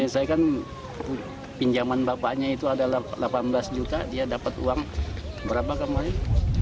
saya kan pinjaman bapaknya itu ada delapan belas juta dia dapat uang berapa kemarin